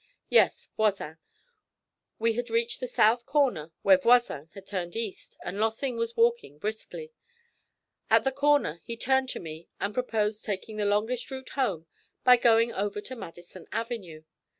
'Yes, Voisin. We had reached the south corner where Voisin had turned east, and Lossing was walking briskly. At the corner he turned to me and proposed taking the longest route home by going over to Madison Avenue.